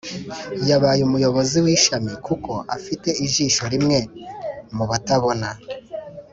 yabaye umuyobozi w'ishami kuko afite ijisho rimwe mu batabona.